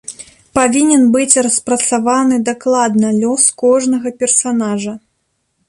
Павінен быць распрацаваны дакладна лёс кожнага персанажа.